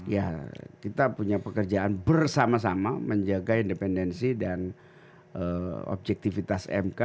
ya kita punya pekerjaan bersama sama menjaga independensi dan objektivitas mk